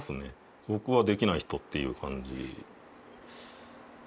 ぼくはできない人っていう感じ。